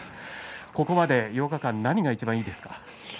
ここまで８日間、何がいちばん、いいですか。